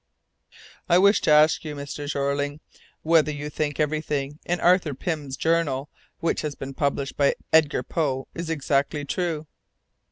"I wish to ask you, Mr. Jeorling, whether you think everything in Arthur Pym's journal, which has been published by Edgar Poe, is exactly true?"